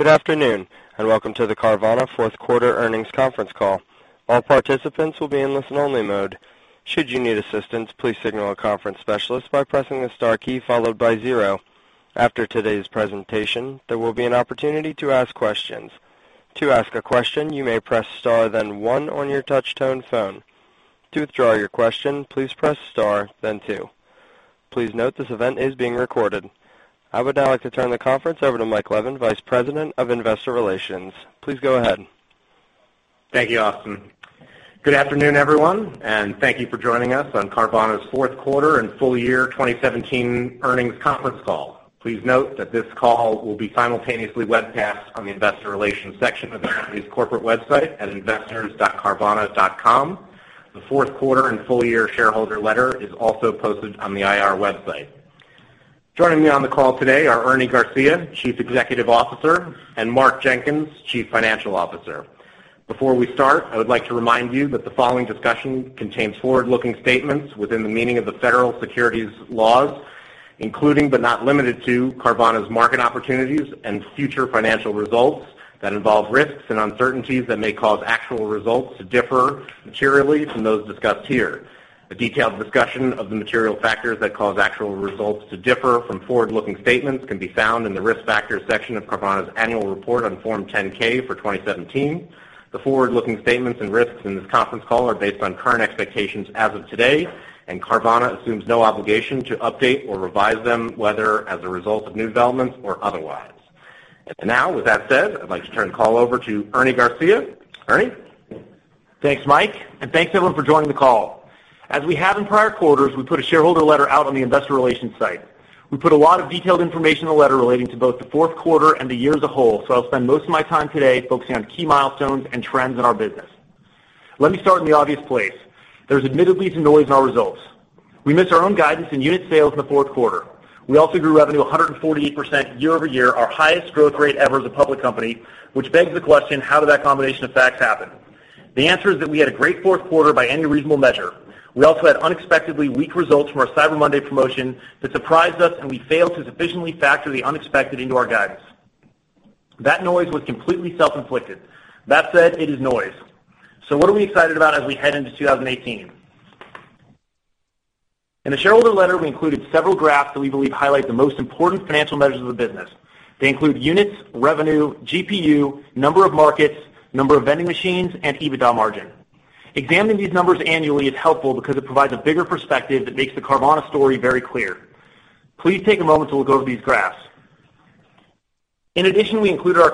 Good afternoon. Welcome to the Carvana fourth quarter earnings conference call. All participants will be in listen only mode. Should you need assistance, please signal a conference specialist by pressing the star key followed by zero. After today's presentation, there will be an opportunity to ask questions. To ask a question, you may press star then one on your touch tone phone. To withdraw your question, please press star then two. Please note this event is being recorded. I would now like to turn the conference over to Mike Levin, Vice President of Investor Relations. Please go ahead. Thank you, Austin. Good afternoon, everyone. Thank you for joining us on Carvana's fourth quarter and full year 2017 earnings conference call. Please note that this call will be simultaneously webcast on the investor relations section of the company's corporate website at investors.carvana.com. The fourth quarter and full year shareholder letter is also posted on the IR website. Joining me on the call today are Ernie Garcia, Chief Executive Officer, and Mark Jenkins, Chief Financial Officer. Before we start, I would like to remind you that the following discussion contains forward-looking statements within the meaning of the federal securities laws, including but not limited to Carvana's market opportunities and future financial results that involve risks and uncertainties that may cause actual results to differ materially from those discussed here. A detailed discussion of the material factors that cause actual results to differ from forward-looking statements can be found in the Risk Factors section of Carvana's annual report on Form 10-K for 2017. The forward-looking statements and risks in this conference call are based on current expectations as of today. Carvana assumes no obligation to update or revise them, whether as a result of new developments or otherwise. Now, with that said, I'd like to turn the call over to Ernie Garcia. Ernie? Thanks, Mike. Thanks, everyone, for joining the call. As we have in prior quarters, we put a shareholder letter out on the investor relations site. We put a lot of detailed information in the letter relating to both the fourth quarter and the year as a whole. I'll spend most of my time today focusing on key milestones and trends in our business. Let me start in the obvious place. There's admittedly some noise in our results. We missed our own guidance in unit sales in the fourth quarter. We also grew revenue 148% year-over-year, our highest growth rate ever as a public company, which begs the question, how did that combination of facts happen? The answer is that we had a great fourth quarter by any reasonable measure. We also had unexpectedly weak results from our Cyber Monday promotion that surprised us. We failed to sufficiently factor the unexpected into our guidance. That noise was completely self-inflicted. That said, it is noise. What are we excited about as we head into 2018? In the shareholder letter, we included several graphs that we believe highlight the most important financial measures of the business. They include units, revenue, GPU, number of markets, number of vending machines, and EBITDA margin. Examining these numbers annually is helpful because it provides a bigger perspective that makes the Carvana story very clear. Please take a moment to look over these graphs. In addition, we included our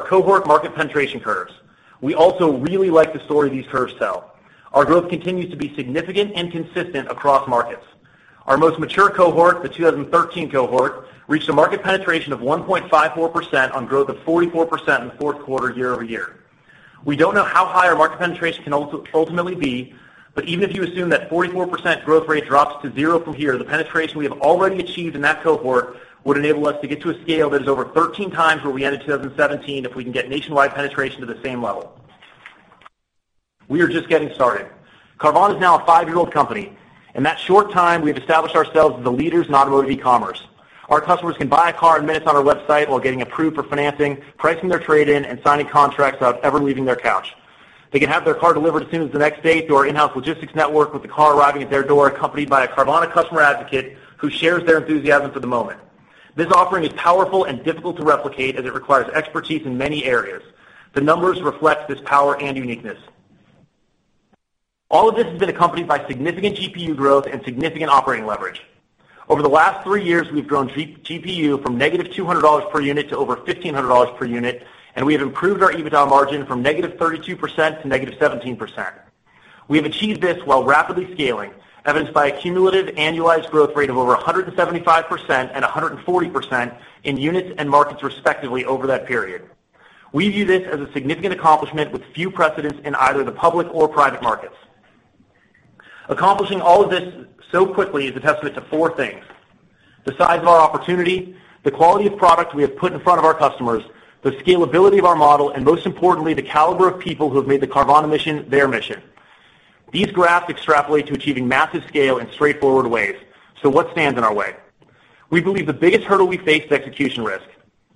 cohort market penetration curves. We also really like the story these curves tell. Our growth continues to be significant and consistent across markets. Our most mature cohort, the 2013 cohort, reached a market penetration of 1.54% on growth of 44% in the fourth quarter year-over-year. We don't know how high our market penetration can ultimately be, but even if you assume that 44% growth rate drops to zero from here, the penetration we have already achieved in that cohort would enable us to get to a scale that is over 13 times where we ended 2017 if we can get nationwide penetration to the same level. We are just getting started. Carvana is now a five-year-old company. In that short time, we have established ourselves as the leaders in automotive e-commerce. Our customers can buy a car in minutes on our website while getting approved for financing, pricing their trade-in, and signing contracts without ever leaving their couch. They can have their car delivered as soon as the next day through our in-house logistics network with the car arriving at their door accompanied by a Carvana customer advocate who shares their enthusiasm for the moment. This offering is powerful and difficult to replicate as it requires expertise in many areas. The numbers reflect this power and uniqueness. All of this has been accompanied by significant GPU growth and significant operating leverage. Over the last three years, we've grown GPU from -$200 per unit to over $1,500 per unit. We have improved our EBITDA margin from -32% to -17%. We have achieved this while rapidly scaling, evidenced by a cumulative annualized growth rate of over 175% and 140% in units and markets respectively over that period. We view this as a significant accomplishment with few precedents in either the public or private markets. Accomplishing all of this so quickly is a testament to four things: the size of our opportunity, the quality of product we have put in front of our customers, the scalability of our model, and most importantly, the caliber of people who have made the Carvana mission their mission. These graphs extrapolate to achieving massive scale in straightforward ways. What stands in our way? We believe the biggest hurdle we face is execution risk.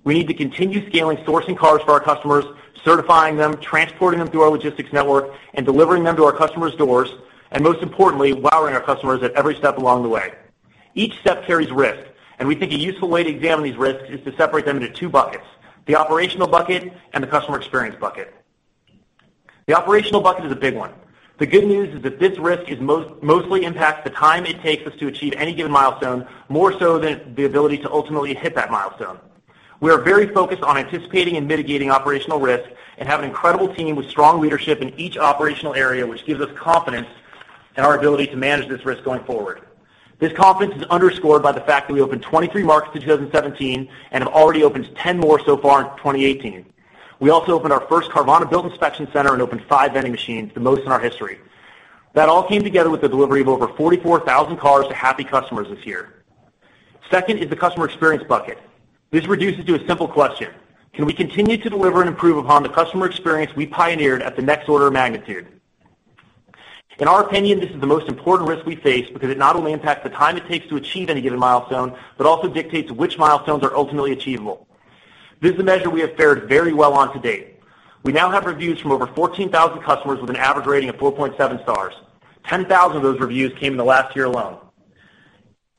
We need to continue scaling, sourcing cars for our customers, certifying them, transporting them through our logistics network, and delivering them to our customers' doors, and most importantly, wowing our customers at every step along the way. Each step carries risk. We think a useful way to examine these risks is to separate them into two buckets, the operational bucket and the customer experience bucket. The operational bucket is a big one. The good news is that this risk mostly impacts the time it takes us to achieve any given milestone, more so than the ability to ultimately hit that milestone. We are very focused on anticipating and mitigating operational risk and have an incredible team with strong leadership in each operational area, which gives us confidence in our ability to manage this risk going forward. This confidence is underscored by the fact that we opened 23 markets in 2017 and have already opened 10 more so far in 2018. We also opened our first Carvana built inspection center and opened five vending machines, the most in our history. That all came together with the delivery of over 44,000 cars to happy customers this year. Second is the customer experience bucket. This reduces to a simple question: Can we continue to deliver and improve upon the customer experience we pioneered at the next order of magnitude? In our opinion, this is the most important risk we face because it not only impacts the time it takes to achieve any given milestone, but also dictates which milestones are ultimately achievable. This is a measure we have fared very well on to date. We now have reviews from over 14,000 customers with an average rating of 4.7 stars. 10,000 of those reviews came in the last year alone.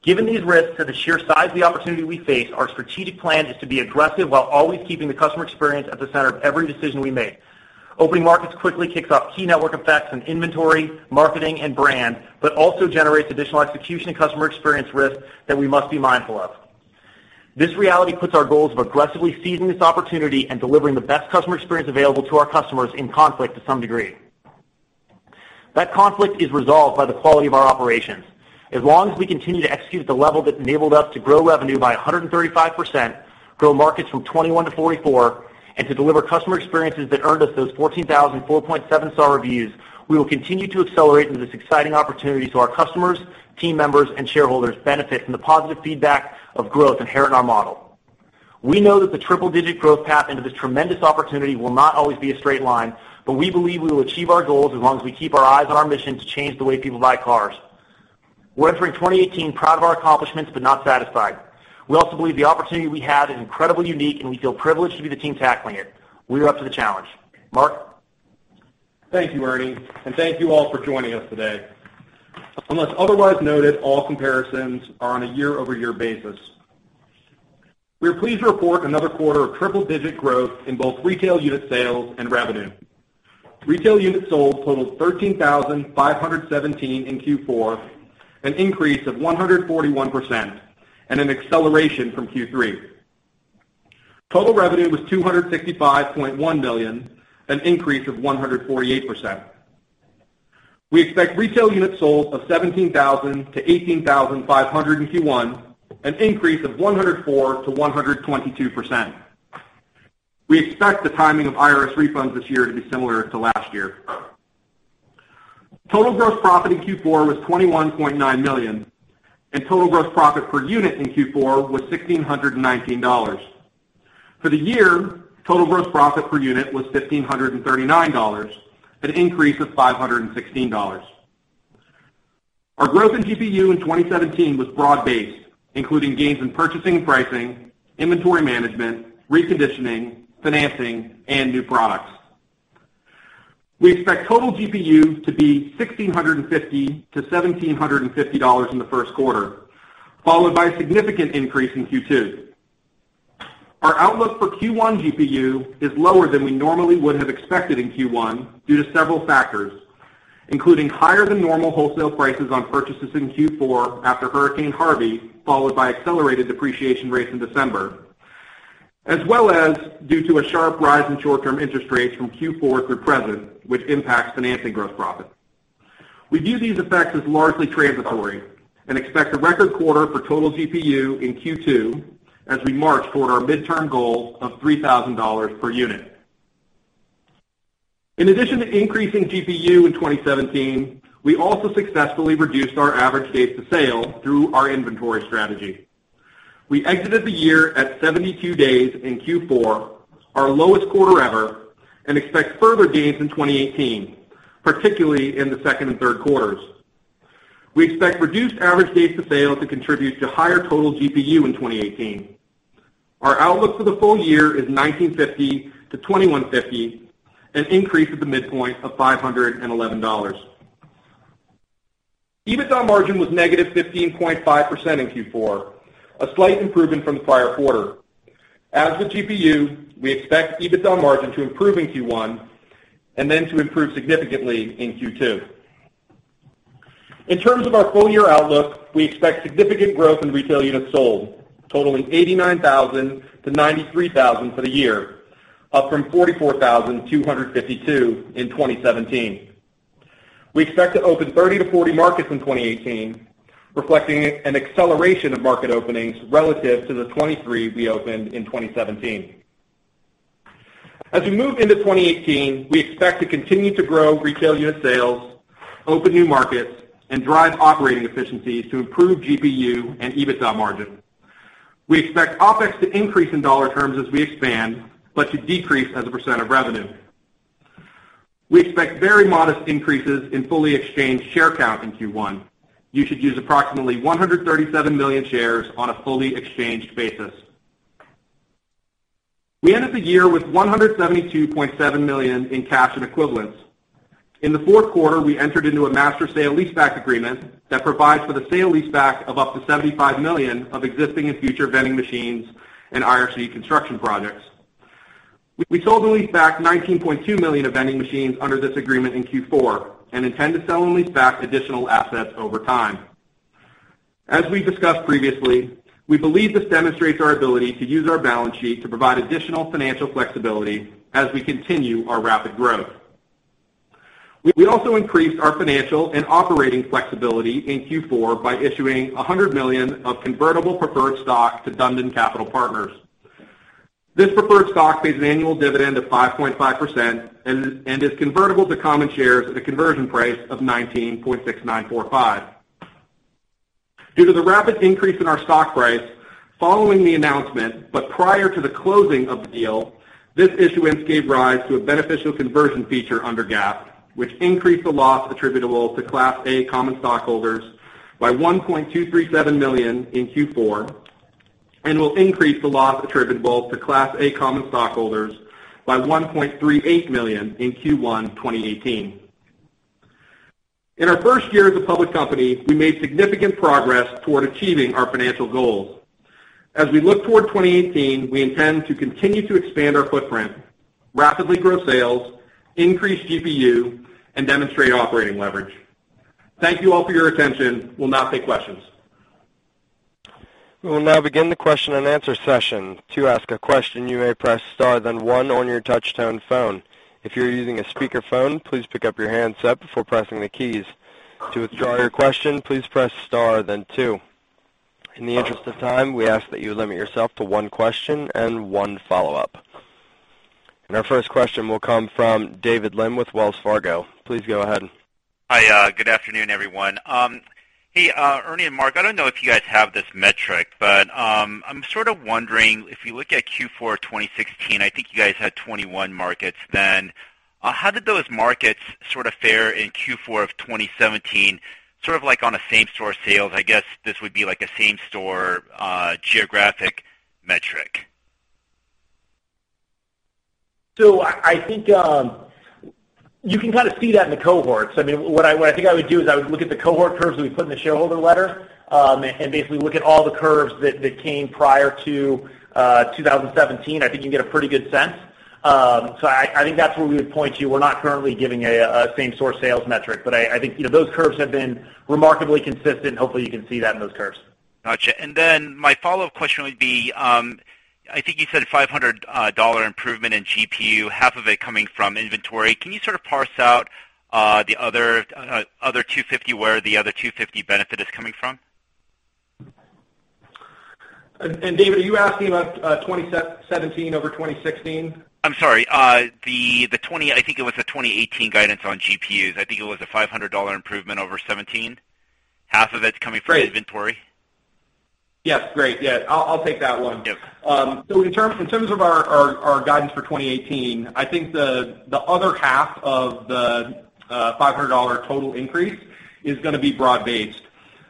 Given these risks and the sheer size of the opportunity we face, our strategic plan is to be aggressive while always keeping the customer experience at the center of every decision we make. Opening markets quickly kicks off key network effects in inventory, marketing, and brand, also generates additional execution and customer experience risks that we must be mindful of. This reality puts our goals of aggressively seizing this opportunity and delivering the best customer experience available to our customers in conflict to some degree. That conflict is resolved by the quality of our operations. As long as we continue to execute at the level that enabled us to grow revenue by 135%, grow markets from 21 to 44, and to deliver customer experiences that earned us those 14,000 4.7-star reviews, we will continue to accelerate into this exciting opportunity our customers, team members, and shareholders benefit from the positive feedback of growth inherent in our model. We know that the triple-digit growth path into this tremendous opportunity will not always be a straight line, we believe we will achieve our goals as long as we keep our eyes on our mission to change the way people buy cars. We're entering 2018 proud of our accomplishments, not satisfied. We also believe the opportunity we have is incredibly unique, we feel privileged to be the team tackling it. We are up to the challenge. Mark? Thank you, Ernie, and thank you all for joining us today. Unless otherwise noted, all comparisons are on a year-over-year basis. We are pleased to report another quarter of triple-digit growth in both retail unit sales and revenue. Retail units sold totaled 13,517 in Q4, an increase of 141%, and an acceleration from Q3. Total revenue was $265.1 million, an increase of 148%. We expect retail units sold of 17,000-18,500 in Q1, an increase of 104%-122%. We expect the timing of IRS refunds this year to be similar to last year. Total gross profit in Q4 was $21.9 million, and total gross profit per unit in Q4 was $1,619. For the year, total gross profit per unit was $1,539, an increase of $516. Our growth in GPU in 2017 was broad-based, including gains in purchasing and pricing, inventory management, reconditioning, financing, and new products. We expect total GPU to be $1,650-$1,750 in the first quarter, followed by a significant increase in Q2. Our outlook for Q1 GPU is lower than we normally would have expected in Q1 due to several factors, including higher-than-normal wholesale prices on purchases in Q4 after Hurricane Harvey, followed by accelerated depreciation rates in December, as well as due to a sharp rise in short-term interest rates from Q4 through present, which impacts financing gross profit. We view these effects as largely transitory and expect a record quarter for total GPU in Q2 as we march toward our midterm goal of $3,000 per unit. In addition to increasing GPU in 2017, we also successfully reduced our average days to sale through our inventory strategy. We exited the year at 72 days in Q4, our lowest quarter ever, and expect further gains in 2018, particularly in the second and third quarters. We expect reduced average days to sale to contribute to higher total GPU in 2018. Our outlook for the full year is $1,950-$2,150, an increase at the midpoint of $511. EBITDA margin was negative 15.5% in Q4, a slight improvement from the prior quarter. As with GPU, we expect EBITDA margin to improve in Q1 and then to improve significantly in Q2. In terms of our full-year outlook, we expect significant growth in retail units sold, totaling 89,000-93,000 for the year, up from 44,252 in 2017. We expect to open 30-40 markets in 2018, reflecting an acceleration of market openings relative to the 23 we opened in 2017. As we move into 2018, we expect to continue to grow retail unit sales, open new markets, and drive operating efficiencies to improve GPU and EBITDA margin. We expect OpEx to increase in dollar terms as we expand, but to decrease as a % of revenue. We expect very modest increases in fully exchanged share count in Q1. You should use approximately 137 million shares on a fully exchanged basis. We ended the year with $172.7 million in cash and equivalents. In the fourth quarter, we entered into a master sale leaseback agreement that provides for the sale leaseback of up to $75 million of existing and future vending machines and IRC construction projects. We sold and leased back $19.2 million of vending machines under this agreement in Q4 and intend to sell and leaseback additional assets over time. As we discussed previously, we believe this demonstrates our ability to use our balance sheet to provide additional financial flexibility as we continue our rapid growth. We also increased our financial and operating flexibility in Q4 by issuing $100 million of convertible preferred stock to Dundon Capital Partners. This preferred stock pays an annual dividend of 5.5% and is convertible to common shares at a conversion price of $19.6945. Due to the rapid increase in our stock price following the announcement but prior to the closing of the deal, this issuance gave rise to a beneficial conversion feature under GAAP, which increased the loss attributable to Class A common stockholders by $1.237 million in Q4 and will increase the loss attributable to Class A common stockholders by $1.38 million in Q1 2018. In our first year as a public company, we made significant progress toward achieving our financial goals. As we look toward 2018, we intend to continue to expand our footprint, rapidly grow sales, increase GPU, and demonstrate operating leverage. Thank you all for your attention. We'll now take questions. We will now begin the question and answer session. To ask a question, you may press star then one on your touchtone phone. If you're using a speakerphone, please pick up your handset before pressing the keys. To withdraw your question, please press star then two. In the interest of time, we ask that you limit yourself to one question and one follow-up. Our first question will come from David Lin with Wells Fargo. Please go ahead. Hi. Good afternoon, everyone. Hey, Ernie and Mark, I don't know if you guys have this metric, but I'm sort of wondering if you look at Q4 2016, I think you guys had 21 markets then. How did those markets sort of fare in Q4 of 2017, sort of like on a same-store sales? I guess this would be like a same-store geographic metric. I think you can kind of see that in the cohorts. What I think I would do is I would look at the cohort curves that we put in the shareholder letter, and basically look at all the curves that came prior to 2017. I think you can get a pretty good sense. I think that's where we would point you. We're not currently giving a same-store sales metric, but I think those curves have been remarkably consistent. Hopefully, you can see that in those curves. Got you. My follow-up question would be, I think you said a $500 improvement in GPU, half of it coming from inventory. Can you sort of parse out where the other $250 benefit is coming from? David, are you asking about 2017 over 2016? I'm sorry. I think it was the 2018 guidance on GPUs. I think it was a $500 improvement over 2017, half of it's coming from inventory. Yes. Great. Yeah. I'll take that one. Yep. In terms of our guidance for 2018, I think the other half of the $500 total increase is going to be broad-based.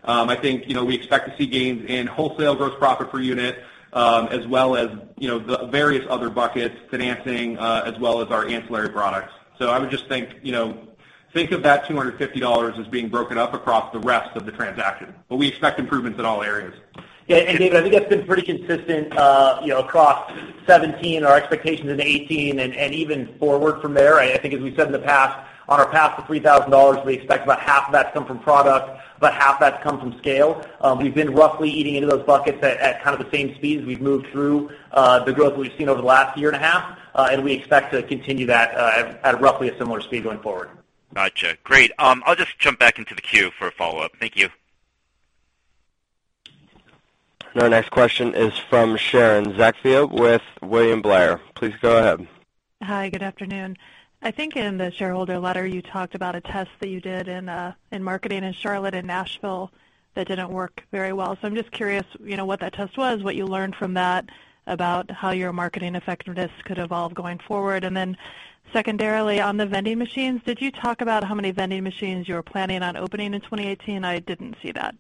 I think we expect to see gains in wholesale gross profit per unit, as well as the various other buckets, financing, as well as our ancillary products. I would just think of that $250 as being broken up across the rest of the transaction, but we expect improvements in all areas. David, I think that's been pretty consistent across 2017, our expectations in 2018, and even forward from there. I think as we said in the past, on our path to $3,000, we expect about half of that to come from product, about half of that to come from scale. We've been roughly eating into those buckets at kind of the same speed as we've moved through the growth that we've seen over the last year and a half. We expect to continue that at roughly a similar speed going forward. Got you. Great. I'll just jump back into the queue for a follow-up. Thank you. Our next question is from Sharon Zackfia with William Blair. Please go ahead. Hi. Good afternoon. I think in the shareholder letter, you talked about a test that you did in marketing in Charlotte and Nashville that didn't work very well. I'm just curious what that test was, what you learned from that about how your marketing effectiveness could evolve going forward. Secondarily, on the vending machines, did you talk about how many vending machines you were planning on opening in 2018? I didn't see that.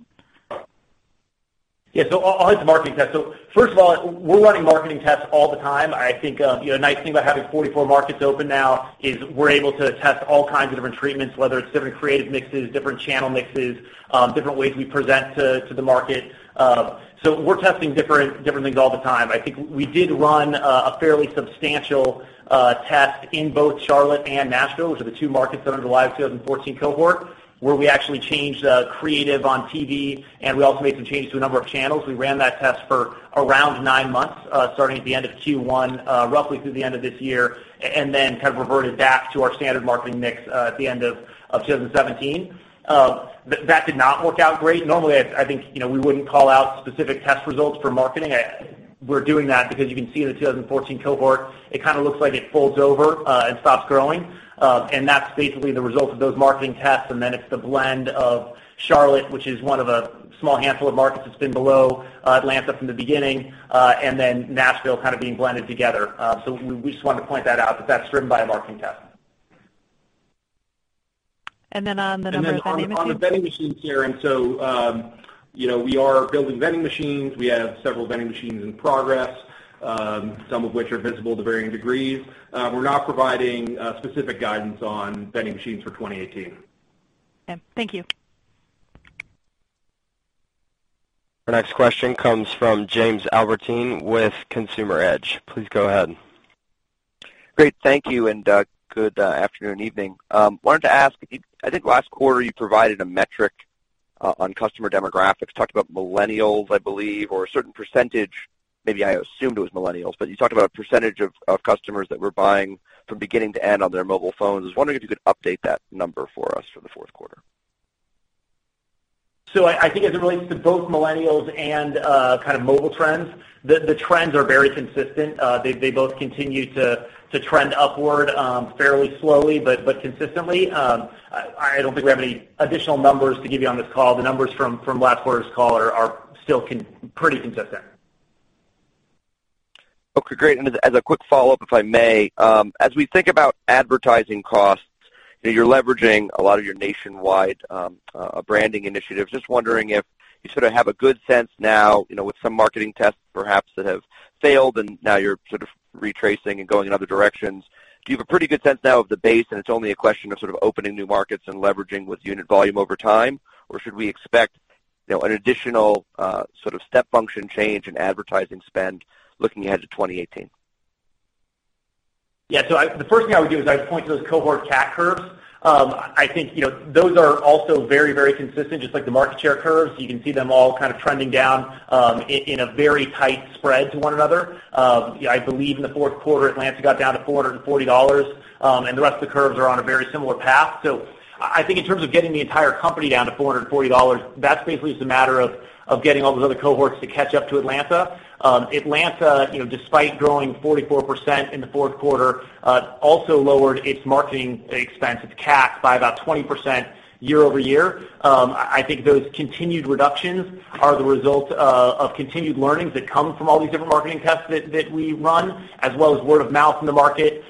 Yeah. I'll hit the marketing test. First of all, we're running marketing tests all the time. I think a nice thing about having 44 markets open now is we're able to test all kinds of different treatments, whether it's different creative mixes, different channel mixes, different ways we present to the market. We're testing different things all the time. I think we did run a fairly substantial test in both Charlotte and Nashville, which are the two markets that are in the live 2014 cohort, where we actually changed the creative on TV, we also made some changes to a number of channels. We ran that test for around nine months, starting at the end of Q1 roughly through the end of this year, then kind of reverted back to our standard marketing mix at the end of 2017. That did not work out great. Normally, I think we wouldn't call out specific test results for marketing. We're doing that because you can see in the 2014 cohort, it kind of looks like it folds over and stops growing. That's basically the result of those marketing tests, then it's the blend of Charlotte, which is one of a small handful of markets that's been below Atlanta from the beginning, then Nashville kind of being blended together. We just wanted to point that out, that's driven by a marketing test. On the number of vending machines? On the vending machines, Sharon, we are building vending machines. We have several vending machines in progress, some of which are visible to varying degrees. We're not providing specific guidance on vending machines for 2018. Okay. Thank you. Our next question comes from James Albertine with Consumer Edge. Please go ahead. Great. Thank you, and good afternoon, evening. Wanted to ask, I think last quarter you provided a metric on customer demographics. You talked about millennials, I believe, or a certain percentage, maybe I assumed it was millennials. You talked about a percentage of customers that were buying from beginning to end on their mobile phones. I was wondering if you could update that number for us for the fourth quarter. I think as it relates to both millennials and kind of mobile trends, the trends are very consistent. They both continue to trend upward fairly slowly, but consistently. I don't think we have any additional numbers to give you on this call. The numbers from last quarter's call are still pretty consistent. Okay, great. As a quick follow-up, if I may. As we think about advertising costs, you're leveraging a lot of your nationwide branding initiatives. Just wondering if you sort of have a good sense now, with some marketing tests perhaps that have failed and now you're sort of retracing and going in other directions. Do you have a pretty good sense now of the base, and it's only a question of sort of opening new markets and leveraging with unit volume over time? Should we expect an additional step function change in advertising spend looking ahead to 2018? Yeah. The first thing I would do is I would point to those cohort CAC curves. I think those are also very consistent, just like the market share curves. You can see them all kind of trending down in a very tight spread to one another. I believe in the fourth quarter, Atlanta got down to $440. The rest of the curves are on a very similar path. I think in terms of getting the entire company down to $440, that's basically just a matter of getting all those other cohorts to catch up to Atlanta. Atlanta, despite growing 44% in the fourth quarter also lowered its marketing expense, its CAC, by about 20% year-over-year. I think those continued reductions are the result of continued learnings that come from all these different marketing tests that we run, as well as word of mouth in the market.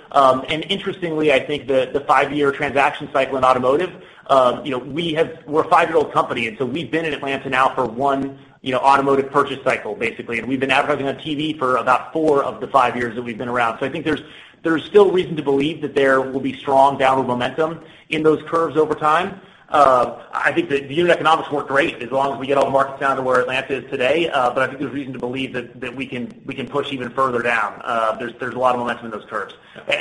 Interestingly, I think the five-year transaction cycle in automotive; we're a five-year-old company, so we've been in Atlanta now for one automotive purchase cycle, basically, and we've been advertising on TV for about four of the five years that we've been around. I think there's still reason to believe that there will be strong downward momentum in those curves over time. I think that the unit economics work great as long as we get all the markets down to where Atlanta is today. I think there's reason to believe that we can push even further down. There's a lot of momentum in those curves. Go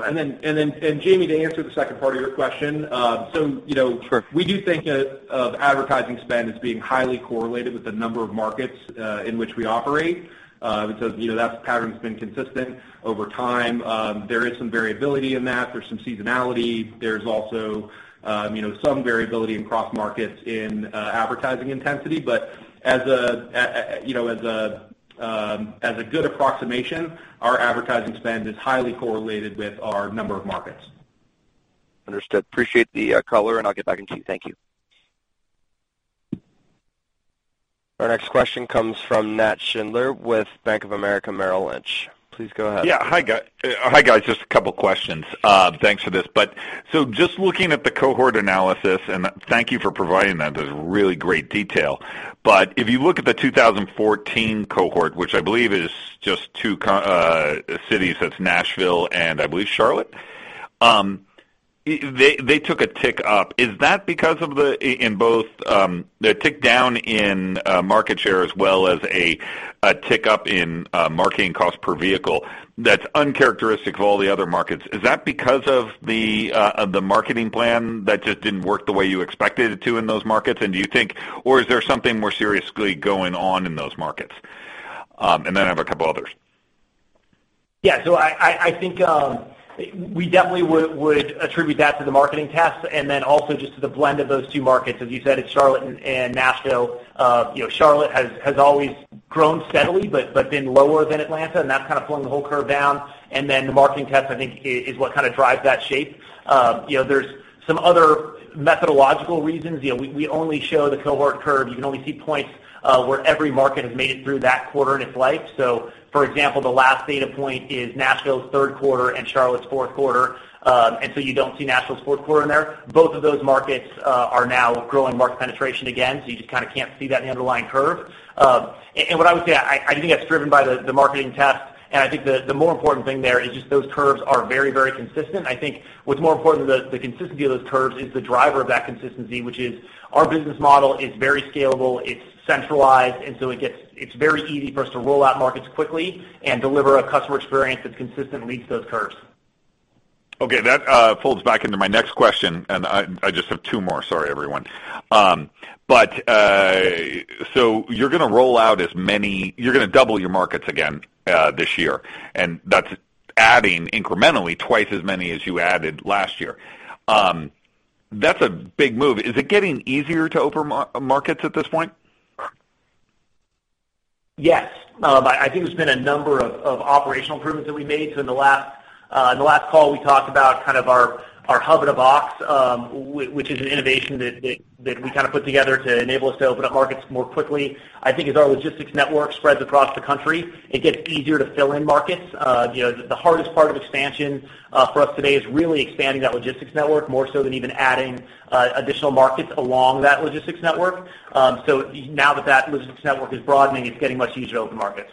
ahead. Then, Jamie, to answer the second part of your question. Sure. We do think of advertising spend as being highly correlated with the number of markets in which we operate. That pattern's been consistent over time. There is some variability in that. There's some seasonality. There's also some variability in cross markets in advertising intensity. As a good approximation, our advertising spend is highly correlated with our number of markets. Understood. Appreciate the color, and I'll get back in queue. Thank you. Our next question comes from Nat Schindler with Bank of America Merrill Lynch. Please go ahead. Yeah. Hi, guys, just a couple of questions. Thanks for this. Just looking at the cohort analysis, and thank you for providing that. That's really great detail. If you look at the 2014 cohort, which I believe is just two cities, that's Nashville and I believe Charlotte. They took a tick up. Is that because of both the tick down in market share as well as a tick up in marketing cost per vehicle that's uncharacteristic of all the other markets? Is that because of the marketing plan that just didn't work the way you expected it to in those markets? Do you think, or is there something more seriously going on in those markets? I have a couple others. Yeah, I think we definitely would attribute that to the marketing tests and then also just to the blend of those two markets. As you said, it's Charlotte and Nashville. Charlotte has always grown steadily but been lower than Atlanta, and that's kind of pulling the whole curve down. The marketing test, I think, is what kind of drives that shape. There's some other methodological reasons. We only show the cohort curve. You can only see points where every market has made it through that quarter in its life. For example, the last data point is Nashville's third quarter and Charlotte's fourth quarter. You don't see Nashville's fourth quarter in there. Both of those markets are now growing market penetration again, so you just kind of can't see that in the underlying curve. What I would say, I think that's driven by the marketing test, and I think the more important thing there is just those curves are very consistent. I think what's more important than the consistency of those curves is the driver of that consistency, which is our business model is very scalable, it's centralized, and so it's very easy for us to roll out markets quickly and deliver a customer experience that consistently meets those curves. Okay. That folds back into my next question, and I just have two more. Sorry, everyone. You're going to double your markets again this year, and that's adding incrementally twice as many as you added last year. That's a big move. Is it getting easier to open markets at this point? Yes. I think there's been a number of operational improvements that we made. In the last call, we talked about kind of our hub-in-a-box, which is an innovation that we kind of put together to enable us to open up markets more quickly. I think as our logistics network spreads across the country, it gets easier to fill in markets. The hardest part of expansion for us today is really expanding that logistics network, more so than even adding additional markets along that logistics network. Now that that logistics network is broadening, it's getting much easier to open markets.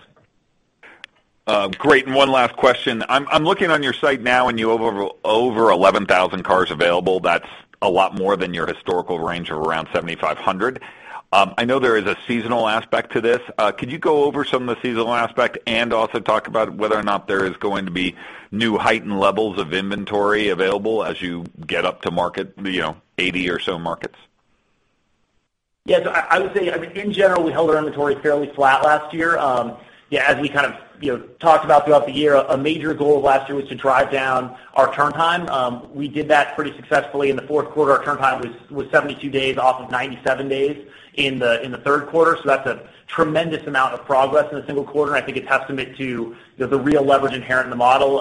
Great. One last question. I'm looking on your site now, and you have over 11,000 cars available. That's a lot more than your historical range of around 7,500. I know there is a seasonal aspect to this. Could you go over some of the seasonal aspect and also talk about whether or not there is going to be new heightened levels of inventory available as you get up to market 80 or so markets? Yeah. I would say, in general, we held our inventory fairly flat last year. As we kind of talked about throughout the year, a major goal of last year was to drive down our turn time. We did that pretty successfully in the fourth quarter. Our turn time was 72 days off of 97 days in the third quarter. That's a tremendous amount of progress in a single quarter, and I think it's testament to the real leverage inherent in the model.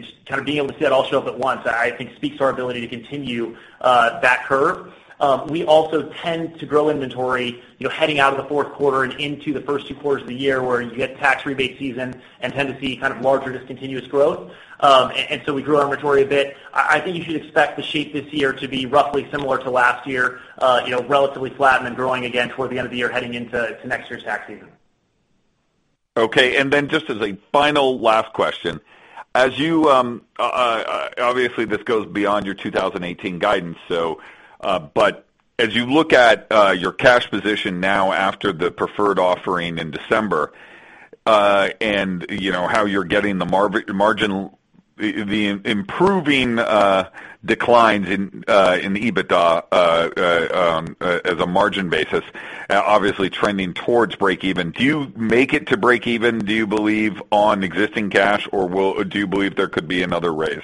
Just kind of being able to see it all show up at once, I think speaks to our ability to continue that curve. We also tend to grow inventory heading out of the fourth quarter and into the first two quarters of the year where you get tax rebate season and tend to see kind of larger discontinuous growth. We grew our inventory a bit. I think you should expect the shape this year to be roughly similar to last year, relatively flat and then growing again toward the end of the year heading into next year's tax season. Okay. Just as a final last question. Obviously, this goes beyond your 2018 guidance, but as you look at your cash position now after the preferred offering in December, and how you're getting the improving declines in EBITDA as a margin basis, obviously trending towards break even. Do you make it to break even, do you believe, on existing cash, or do you believe there could be another raise?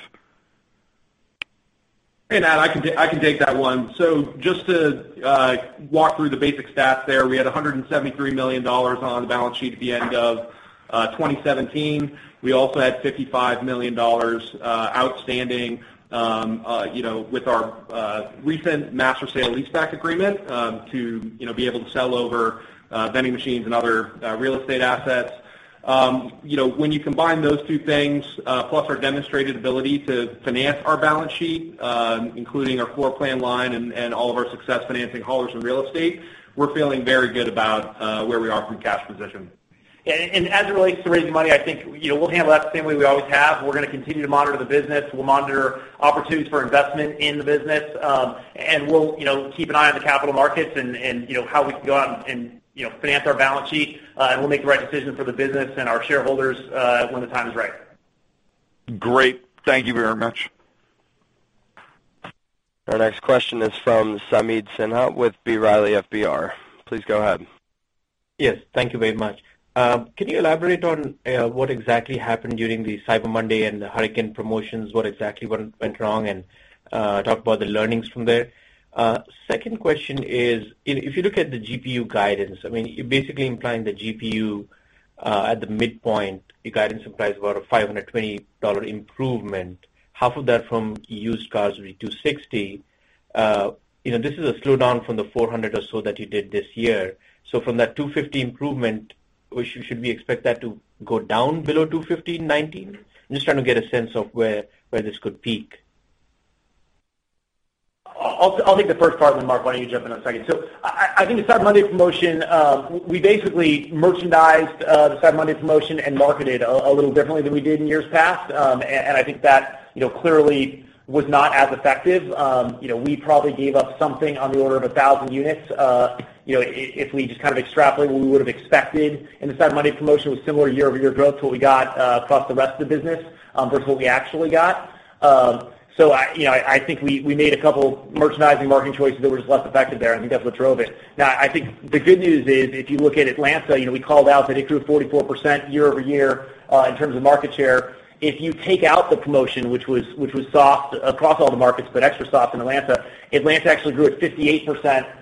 Hey, Nat, I can take that one. Just to walk through the basic stats there. We had $173 million on the balance sheet at the end of 2017. We also had $55 million outstanding with our recent master sale-leaseback agreement to be able to sell over vending machines and other real estate assets. When you combine those two things, plus our demonstrated ability to finance our balance sheet, including our floor plan line and all of our success financing haulers and real estate, we're feeling very good about where we are from a cash position. As it relates to raising money, I think we'll handle that the same way we always have. We're going to continue to monitor the business. We'll monitor opportunities for investment in the business. We'll keep an eye on the capital markets and how we can go out and finance our balance sheet. We'll make the right decision for the business and our shareholders when the time is right. Great. Thank you very much. Our next question is from Sameet Sinha with B. Riley FBR. Please go ahead. Yes, thank you very much. Can you elaborate on what exactly happened during the Cyber Monday and the hurricane promotions? What exactly went wrong, and talk about the learnings from there. Second question is, if you look at the GPU guidance, you're basically implying the GPU at the midpoint, your guidance implies about a $520 improvement. Half of that from used cars will be 260. This is a slowdown from the 400 or so that you did this year. From that 250 improvement, should we expect that to go down below 250 in 2019? I'm just trying to get a sense of where this could peak. I'll take the first part, then Mark, why don't you jump in on the second. I think the Cyber Monday promotion, we basically merchandised the Cyber Monday promotion and marketed a little differently than we did in years past. I think that clearly was not as effective. We probably gave up something on the order of 1,000 units. If we just kind of extrapolate what we would have expected in the Cyber Monday promotion was similar year-over-year growth to what we got across the rest of the business versus what we actually got. I think we made a couple merchandising marketing choices that were just less effective there, and I think that's what drove it. I think the good news is, if you look at Atlanta, we called out that it grew 44% year-over-year in terms of market share. If you take out the promotion, which was soft across all the markets, but extra soft in Atlanta actually grew at 58%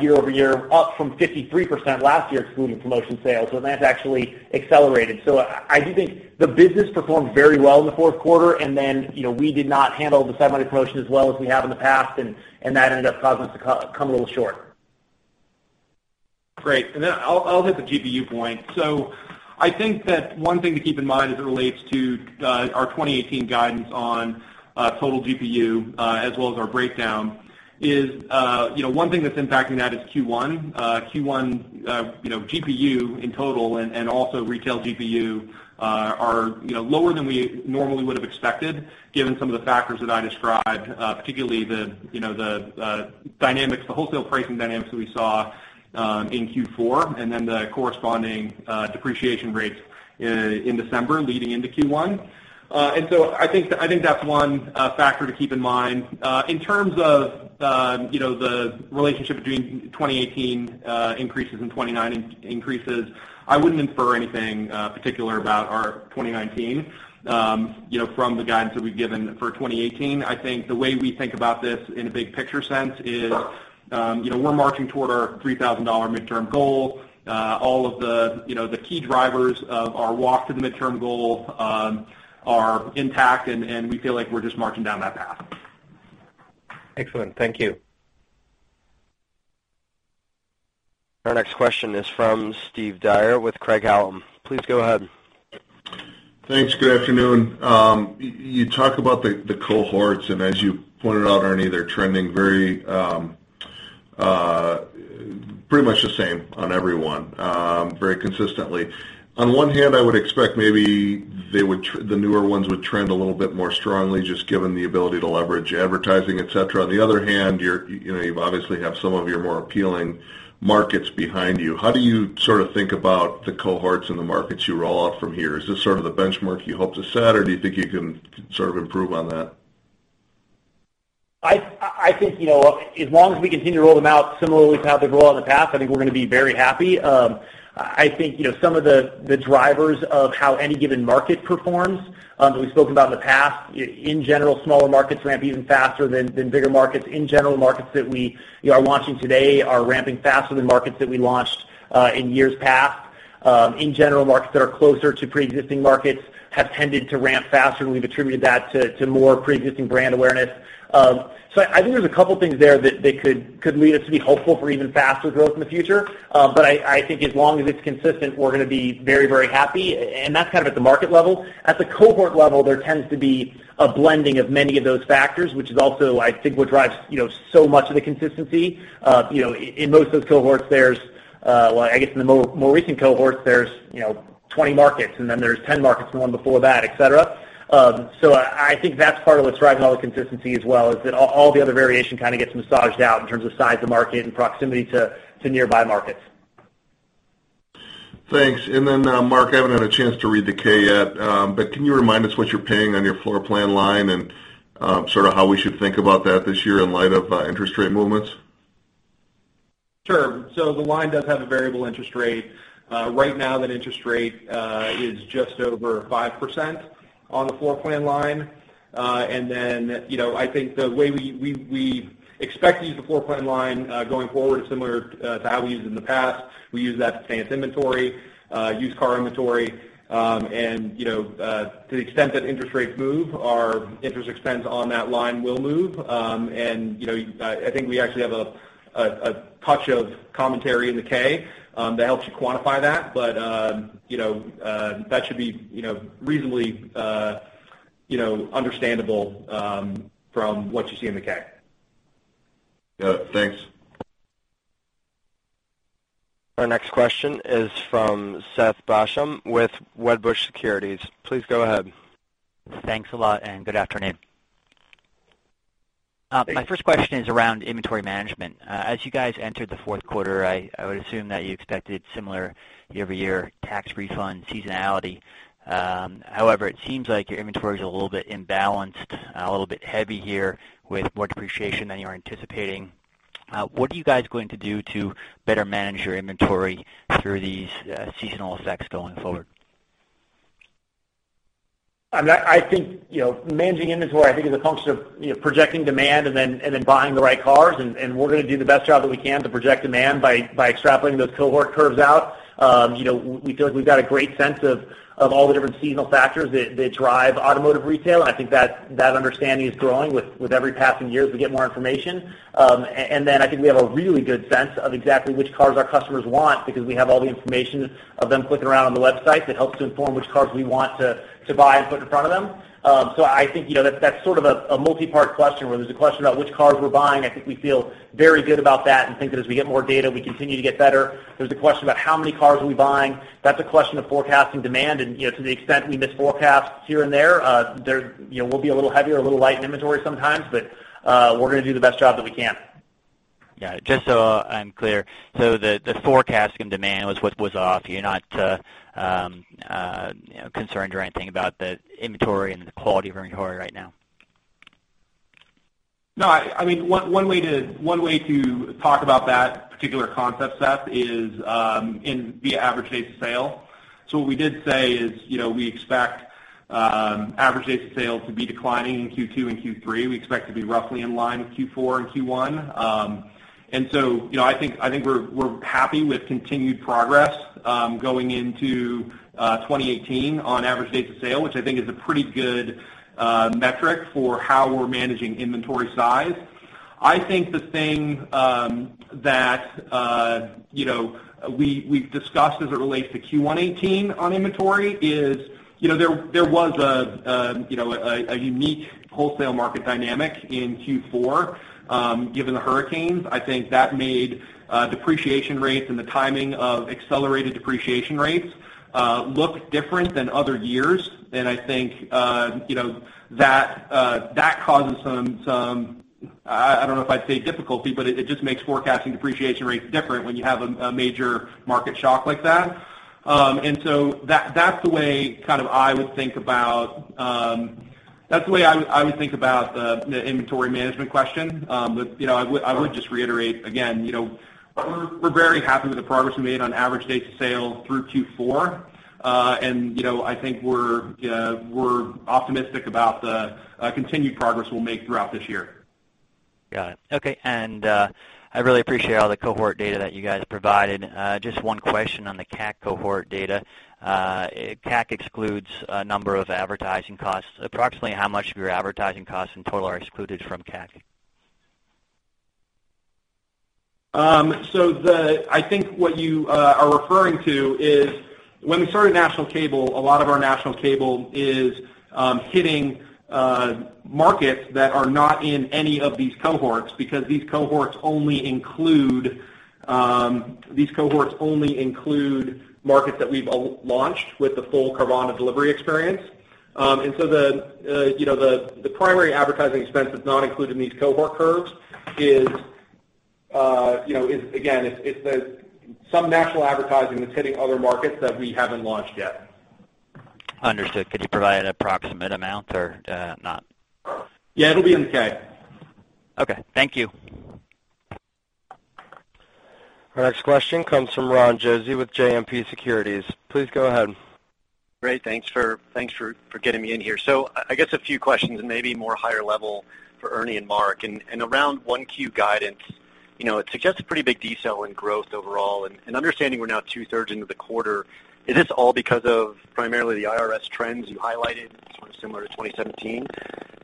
year-over-year, up from 53% last year excluding promotion sales. That's actually accelerated. I do think the business performed very well in the fourth quarter, and then we did not handle the Cyber Monday promotion as well as we have in the past, and that ended up causing us to come a little short. Great. I'll hit the GPU point. I think that one thing to keep in mind as it relates to our 2018 guidance on total GPU, as well as our breakdown is, one thing that's impacting that is Q1. Q1 GPU in total and also retail GPU are lower than we normally would have expected given some of the factors that I described, particularly the wholesale pricing dynamics that we saw in Q4 and then the corresponding depreciation rates in December leading into Q1. I think that's one factor to keep in mind. In terms of the relationship between 2018 increases and 2019 increases, I wouldn't infer anything particular about our 2019 from the guidance that we've given for 2018. I think the way we think about this in a big picture sense is we're marching toward our $3,000 midterm goal. All of the key drivers of our walk to the midterm goal are intact, and we feel like we're just marching down that path. Excellent. Thank you. Our next question is from Steve Dyer with Craig-Hallum. Please go ahead. Thanks. Good afternoon. As you pointed out, Ernie, they're trending pretty much the same on every one very consistently. On one hand, I would expect maybe the newer ones would trend a little bit more strongly, just given the ability to leverage advertising, et cetera. On the other hand, you obviously have some of your more appealing markets behind you. How do you sort of think about the cohorts and the markets you roll out from here? Is this sort of the benchmark you hope to set, or do you think you can sort of improve on that? I think as long as we continue to roll them out similarly to how they've rolled out in the past, I think we're going to be very happy. I think some of the drivers of how any given market performs that we've spoken about in the past, in general, smaller markets ramp even faster than bigger markets. In general, markets that we are launching today are ramping faster than markets that we launched in years past. In general, markets that are closer to preexisting markets have tended to ramp faster, and we've attributed that to more preexisting brand awareness. I think there's a couple things there that could lead us to be hopeful for even faster growth in the future. I think as long as it's consistent, we're going to be very, very happy, and that's kind of at the market level. At the cohort level, there tends to be a blending of many of those factors, which is also I think what drives so much of the consistency. In most of the cohorts there's, well, I guess in the more recent cohorts, there's 20 markets and there's 10 markets in the one before that, et cetera. I think that's part of what's driving all the consistency as well, is that all the other variation kind of gets massaged out in terms of size of market and proximity to nearby markets. Thanks. Mark, I haven't had a chance to read the K yet. Can you remind us what you're paying on your floor plan line and sort of how we should think about that this year in light of interest rate movements? Sure. The line does have a variable interest rate. Right now that interest rate is just over 5% on the floor plan line. I think the way we expect to use the floor plan line going forward is similar to how we used it in the past. We use that to finance inventory, used car inventory. To the extent that interest rates move, our interest expense on that line will move. I think we actually have a touch of commentary in the K that helps you quantify that. That should be reasonably understandable from what you see in the K. Yeah. Thanks. Our next question is from Seth Basham with Wedbush Securities. Please go ahead. Thanks a lot and good afternoon. My first question is around inventory management. As you guys entered the fourth quarter, I would assume that you expected similar year-over-year tax refund seasonality. However, it seems like your inventory is a little bit imbalanced, a little bit heavy here with more depreciation than you are anticipating. What are you guys going to do to better manage your inventory through these seasonal effects going forward? Managing inventory, I think, is a function of projecting demand and then buying the right cars. We're going to do the best job that we can to project demand by extrapolating those cohort curves out. We feel like we've got a great sense of all the different seasonal factors that drive automotive retail, and I think that understanding is growing with every passing year as we get more information. I think we have a really good sense of exactly which cars our customers want because we have all the information of them clicking around on the website that helps to inform which cars we want to buy and put in front of them. I think that's sort of a multi-part question, where there's a question about which cars we're buying. I think we feel very good about that and think that as we get more data, we continue to get better. There's a question about how many cars are we buying. That's a question of forecasting demand. To the extent we misforecast here and there, we'll be a little heavy or a little light in inventory sometimes. We're going to do the best job that we can. Yeah. Just so I'm clear, so the forecasting demand was what was off. You're not concerned or anything about the inventory and the quality of inventory right now? No, one way to talk about that particular concept, Seth, is via average days of sale. What we did say is we expect average days of sale to be declining in Q2 and Q3. We expect to be roughly in line with Q4 and Q1. I think we're happy with continued progress going into 2018 on average days of sale, which I think is a pretty good metric for how we're managing inventory size. I think the thing that we've discussed as it relates to Q1 2018 on inventory is there was a unique wholesale market dynamic in Q4 given the hurricanes. I think that made depreciation rates and the timing of accelerated depreciation rates look different than other years. I think that causes some, I don't know if I'd say difficulty, but it just makes forecasting depreciation rates different when you have a major market shock like that. That's the way I would think about the inventory management question. I would just reiterate again, we're very happy with the progress we made on average days of sale through Q4. I think we're optimistic about the continued progress we'll make throughout this year. Got it. Okay. I really appreciate all the cohort data that you guys provided. Just one question on the CAC cohort data. CAC excludes a number of advertising costs. Approximately how much of your advertising costs in total are excluded from CAC? I think what you are referring to is when we started national cable, a lot of our national cable is hitting markets that are not in any of these cohorts because these cohorts only include markets that we've launched with the full Carvana delivery experience. The primary advertising expense that's not included in these cohort curves is again, it's some national advertising that's hitting other markets that we haven't launched yet. Understood. Could you provide an approximate amount or not? Yeah, it'll be in the K. Okay. Thank you. Our next question comes from Ron Josey with JMP Securities. Please go ahead. Great. Thanks for getting me in here. I guess a few questions and maybe more higher level for Ernie and Mark. Around Q1 guidance, it suggests a pretty big decel in growth overall. Understanding we're now two-thirds into the quarter, is this all because of primarily the IRS trends you highlighted, sort of similar to 2017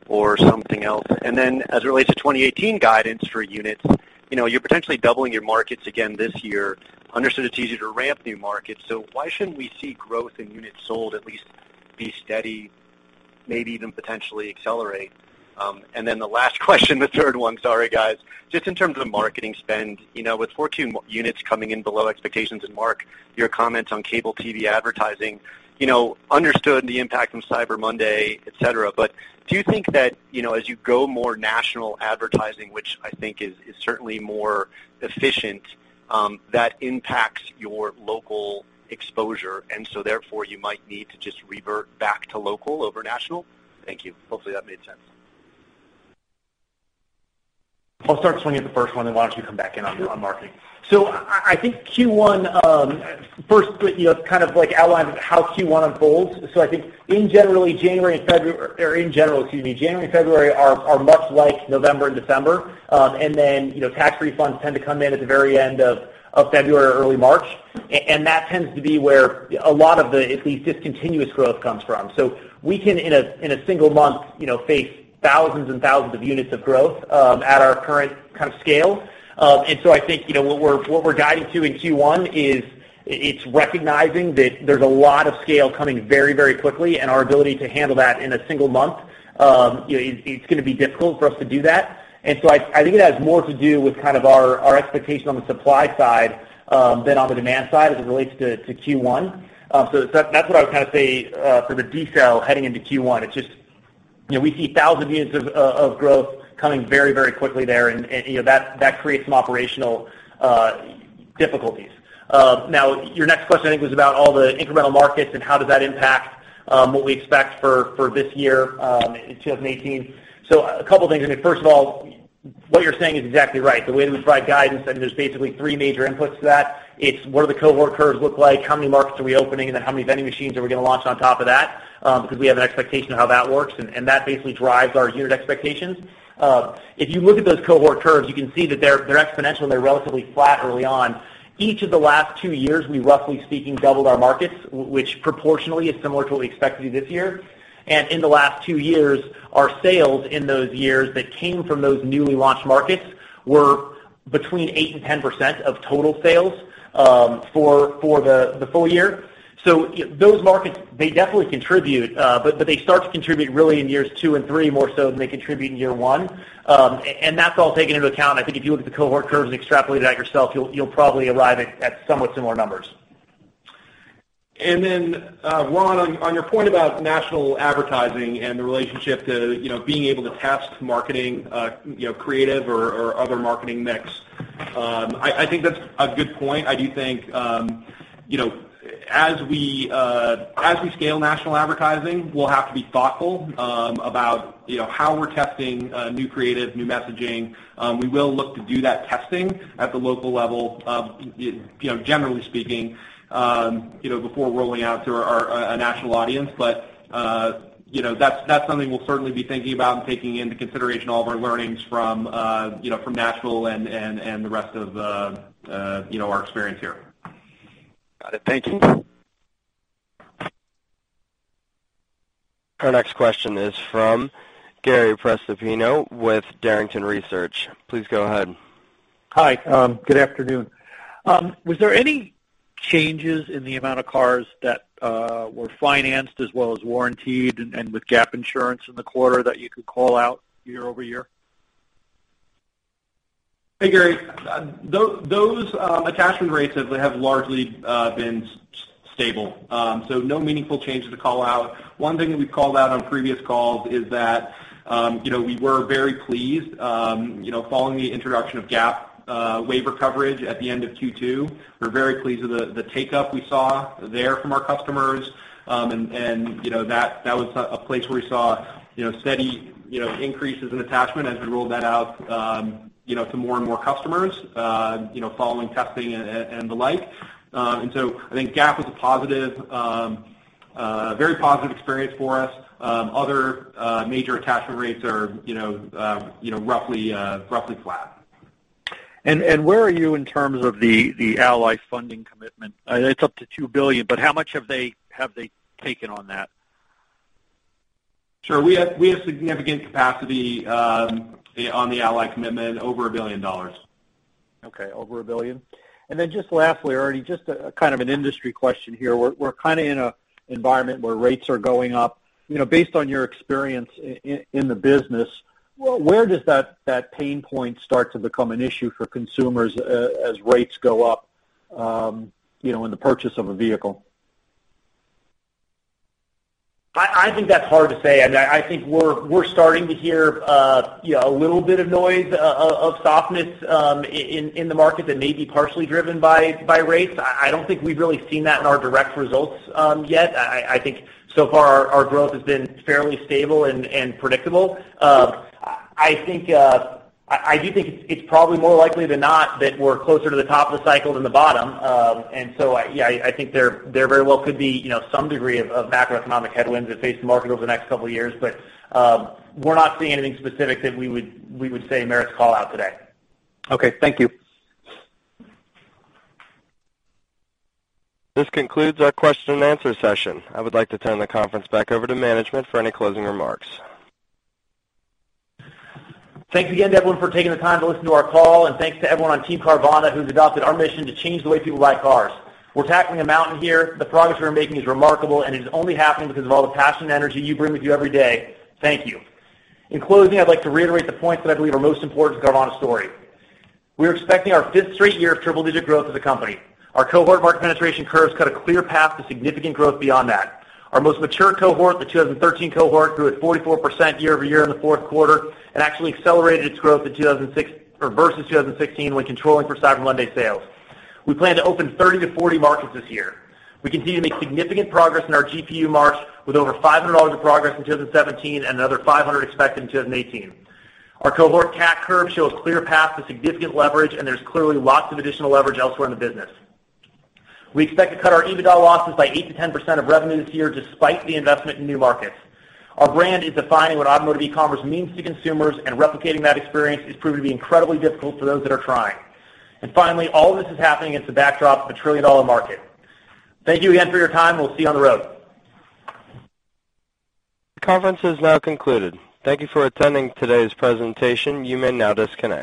or something else? As it relates to 2018 guidance for units, you're potentially doubling your markets again this year. Understand it's easier to ramp new markets, why shouldn't we see growth in units sold at least be steady, maybe even potentially accelerate? The last question, the third one. Sorry, guys. Just in terms of the marketing spend, with 4Q units coming in below expectations, Mark, your comments on cable TV advertising. Understood the impact from Cyber Monday, et cetera, do you think that, as you go more national advertising, which I think is certainly more efficient, that impacts your local exposure, you might need to just revert back to local over national? Thank you. Hopefully, that made sense. I'll start swinging at the first one, why don't you come back in on marketing? I think Q1, kind of like outline how Q1 unfolds. I think in general, January and February are much like November and December. Tax refunds tend to come in at the very end of February or early March. That tends to be where a lot of the, at least discontinuous growth comes from. We can, in a single month face thousands and thousands of units of growth at our current kind of scale. I think what we're guiding to in Q1 is, it's recognizing that there's a lot of scale coming very quickly, our ability to handle that in a single month, it's going to be difficult for us to do that. I think it has more to do with kind of our expectation on the supply side than on the demand side as it relates to Q1. That's what I would say for the detail heading into Q1. It's just we see thousands units of growth coming very quickly there, that creates some operational difficulties. Now, your next question, I think, was about all the incremental markets and how does that impact what we expect for this year in 2018. A couple things. I mean, first of all, what you're saying is exactly right. The way that we provide guidance, there's basically three major inputs to that. It's what do the cohort curves look like, how many markets are we opening, how many vending machines are we going to launch on top of that? We have an expectation of how that works, and that basically drives our unit expectations. If you look at those cohort curves, you can see that they're exponential and they're relatively flat early on. Each of the last 2 years, we roughly speaking, doubled our markets, which proportionally is similar to what we expect to do this year. In the last 2 years, our sales in those years that came from those newly launched markets were between 8% and 10% of total sales for the full year. Those markets, they definitely contribute. They start to contribute really in years 2 and 3 more so than they contribute in year 1. That's all taken into account. I think if you look at the cohort curves and extrapolate it out yourself, you'll probably arrive at somewhat similar numbers. Ron, on your point about national advertising and the relationship to being able to test marketing, creative or other marketing mix. I think that's a good point. I do think as we scale national advertising, we'll have to be thoughtful about how we're testing new creative, new messaging. We will look to do that testing at the local level, generally speaking before rolling out to a national audience. That's something we'll certainly be thinking about and taking into consideration all of our learnings from national and the rest of our experience here. Got it. Thank you. Our next question is from Gary Prestopino with Barrington Research. Please go ahead. Hi. Good afternoon. Was there any changes in the amount of cars that were financed as well as warrantied and with GAP Insurance in the quarter that you could call out year-over-year? Hey, Gary. Those attachment rates have largely been stable. No meaningful changes to call out. One thing that we've called out on previous calls is that we were very pleased following the introduction of GAP waiver coverage at the end of Q2. We're very pleased with the take-up we saw there from our customers. That was a place where we saw steady increases in attachment as we rolled that out to more and more customers following testing and the like. I think GAP was a very positive experience for us. Other major attachment rates are roughly flat. Where are you in terms of the Ally funding commitment? It's up to $2 billion, but how much have they taken on that? Sure. We have significant capacity on the Ally commitment, over $1 billion. Okay. Over a billion. Just lastly, Ernie, just a kind of an industry question here. We're kind of in an environment where rates are going up. Based on your experience in the business, where does that pain point start to become an issue for consumers as rates go up in the purchase of a vehicle? I think that's hard to say. I think we're starting to hear a little bit of noise of softness in the market that may be partially driven by rates. I don't think we've really seen that in our direct results yet. I think so far our growth has been fairly stable and predictable. I do think it's probably more likely than not that we're closer to the top of the cycle than the bottom. I think there very well could be some degree of macroeconomic headwinds that face the market over the next couple of years. We're not seeing anything specific that we would say merits call out today. Okay. Thank you. This concludes our question and answer session. I would like to turn the conference back over to management for any closing remarks. Thanks again, everyone, for taking the time to listen to our call. Thanks to everyone on Team Carvana who's adopted our mission to change the way people buy cars. We're tackling a mountain here. The progress we're making is remarkable, and it is only happening because of all the passion and energy you bring with you every day. Thank you. In closing, I'd like to reiterate the points that I believe are most important to Carvana story. We're expecting our fifth straight year of triple-digit growth as a company. Our cohort market penetration curves cut a clear path to significant growth beyond that. Our most mature cohort, the 2013 cohort, grew at 44% year-over-year in the fourth quarter and actually accelerated its growth versus 2016 when controlling for Cyber Monday sales. We plan to open 30-40 markets this year. We continue to make significant progress in our GPU marks with over $500 of progress in 2017 and another $500 expected in 2018. Our cohort CAC curve shows clear path to significant leverage, and there's clearly lots of additional leverage elsewhere in the business. We expect to cut our EBITDA losses by 8%-10% of revenue this year despite the investment in new markets. Our brand is defining what automotive e-commerce means to consumers, and replicating that experience is proving to be incredibly difficult for those that are trying. Finally, all this is happening against the backdrop of a trillion-dollar market. Thank you again for your time. We'll see you on the road. Conference is now concluded. Thank you for attending today's presentation. You may now disconnect.